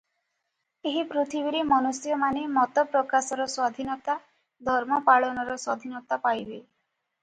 ଏହି ପୃଥିବୀରେ ମନୁଷ୍ୟମାନେ ମତପ୍ରକାଶର ସ୍ୱାଧୀନତା, ଧର୍ମପାଳନର ସ୍ୱାଧୀନତା ପାଇବେ ।